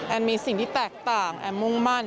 มีสิ่งที่แตกต่างแอนมุ่งมั่น